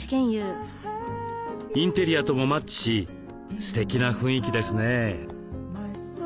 インテリアともマッチしすてきな雰囲気ですね。